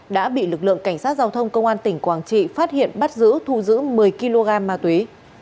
đã bị lực lượng cảnh sát giao thông công an tỉnh quảng trị phát hiện bắt giữ thu giữ một mươi kg ma túy